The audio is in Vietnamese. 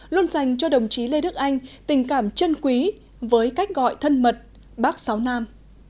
luôn dành cho đồng chí lê đức anh tình cảm chân quý với cách gọi thân mật bác sáu nam